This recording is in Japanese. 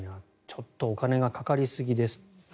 ちょっとお金がかかりすぎです。